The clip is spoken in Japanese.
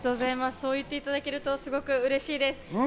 そう言っていただけると、すごく嬉しいです。